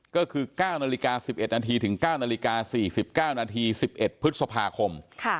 ก็คือ๙น๑๑นถึง๙น๔๙น๑๑พฤศพครม